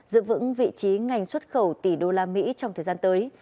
giữ vững vị trí ngành xuất khẩu tỷ đô la mỹ trong thời gian tới